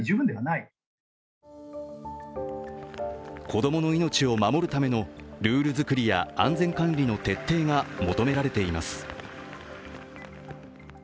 子供の命を守るためのルール作りや安全管理の徹底が求められています。